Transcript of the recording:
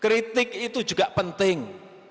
kritik itu juga penting